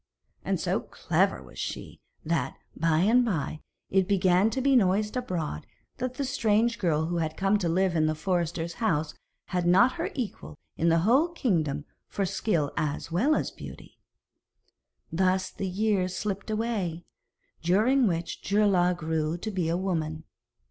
And so clever was she, that, by and by, it began to be noised abroad that the strange girl who had come to live in the forester's house had not her equal in the whole kingdom for skill as well as beauty. Thus the years slipped away, during which Geirlaug grew to be a woman.